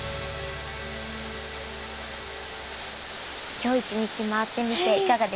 今日一日回ってみていかがでしたか？